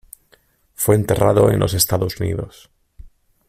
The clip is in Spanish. Fue enterrado en los Estados Unidos.